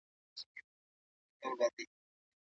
سفارتي اړیکي څنګه پیاوړې کېږي؟